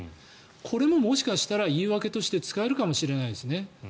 これももしかしたら言い訳として使えるかもしれないですね。